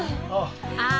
ああ。